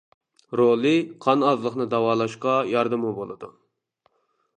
رولى: قان ئازلىقىنى داۋالاشقا ياردىمى بولىدۇ.